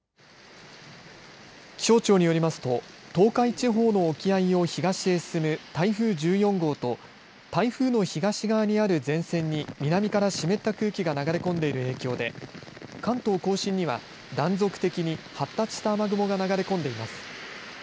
気象庁によりますと東海地方の沖合を東へ進む台風１４号と台風の東側にある前線に南から湿った空気が流れ込んでいる影響で関東甲信には断続的に発達した雨雲が流れ込んでいます。